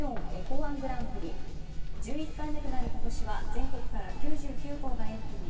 １１回目となる今年は全国から９９校がエントリー。